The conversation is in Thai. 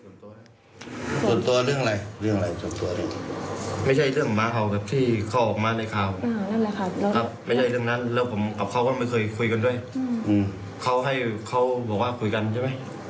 อยู่ตรงนั้นแบบนั้นแหละนะ